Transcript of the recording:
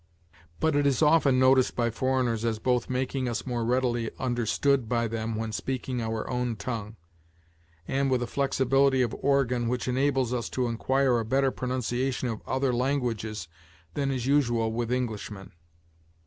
But it is often noticed by foreigners as both making us more readily understood by them when speaking our own tongue, and as connected with a flexibility of organ, which enables us to acquire a better pronunciation of other languages than is usual with Englishmen.